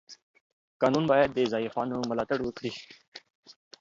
قانون باید د ضعیفانو ملاتړ وکړي.